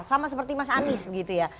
sama seperti mas anies begitu ya